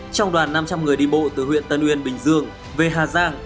trong đoàn năm trăm linh người đi bộ từ huyện tân uyên bình dương về hà giang